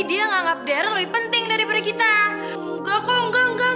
lakuin yang udah gue perintahin jangan sampai gagal